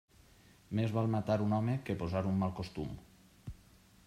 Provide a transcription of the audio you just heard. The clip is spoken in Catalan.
Més val matar un home que posar un mal costum.